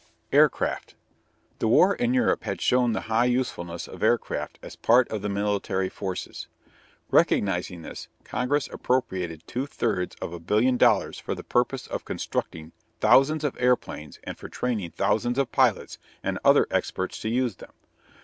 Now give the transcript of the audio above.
AIRCRAFT. The war in Europe had shown the high usefulness of aircraft as part of the military forces. Recognizing this, Congress appropriated two thirds of a billion dollars for the purpose of constructing thousands of airplanes and for training thousands of pilots and other experts to use them.